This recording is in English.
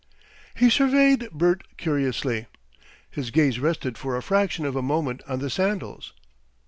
He surveyed Bert curiously. His gaze rested for a fraction of a moment on the sandals.